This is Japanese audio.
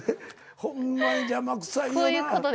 ほんまに邪魔くさいよな。